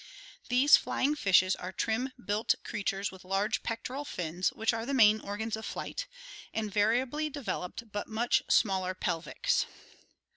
These flying fishes are trim built creatures with large pectoral fins, which are the main organs of flight, and variably developed but much smaller pelvics.